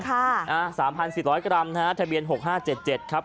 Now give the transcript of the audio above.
๓๔๐๐กรัมนะฮะทะเบียน๖๕๗๗ครับ